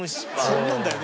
そんなんだよね？